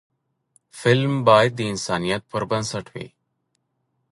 فلم باید د انسانیت پر بنسټ وي